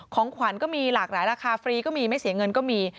ของขวัญก็มีหลากหลายราคาฟรีก็มีไม่เสียเงินก็มี